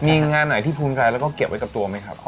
มีงานไหนที่ภูมิใจแล้วก็เก็บไว้กับตัวไหมครับ